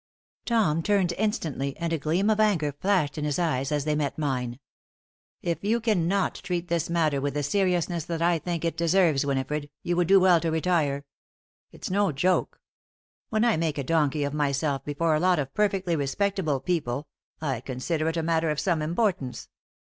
Tom turned instantly, and a gleam of anger flashed in his eyes as they met mine. "If you cannot treat this matter with the seriousness that I think that it deserves, Winifred, you would do well to retire. It's no joke. When I make a donkey of myself before a lot of perfectly respectable people, I consider it a matter of some importance.